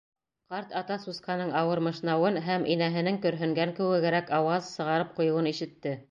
Ҡарт ата сусҡаның ауыр мышнауын һәм инәһенең көрһөнгән кеүегерәк ауаз сығарып ҡуйыуын ишетте.